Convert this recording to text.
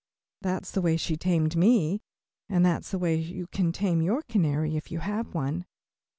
That's the way she tamed me, and that's the way you can tame your canary if you have one.